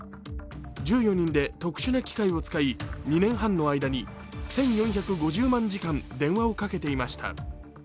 １４人で特殊な機械を使い、２年半の間に１４５０万時間、電話をかけていました。